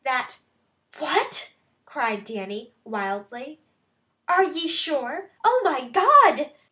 That " "What!" cried Dannie wildly. "Are ye sure? Oh, my God!"